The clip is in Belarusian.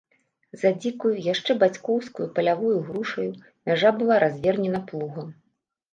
За дзікаю, яшчэ бацькаўскаю палявою грушаю мяжа была развернена плугам.